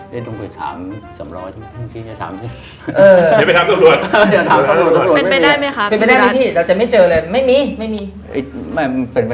ก็จะถามสำรอง